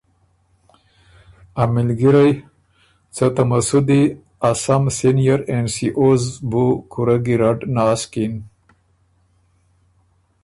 ا مِلګرئ څۀ ته مسُودی ا سم سېنئر اېن سی اوز بُو کُورۀ ګیرډ ناسکِن،